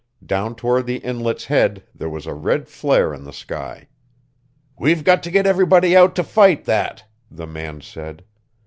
Down toward the Inlet's head there was a red flare in the sky. "We got to get everybody out to fight that," the man said.